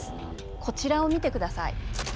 こちらを見てください。